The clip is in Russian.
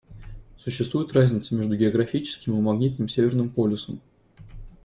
Существует разница между географическим и магнитным Северным полюсом.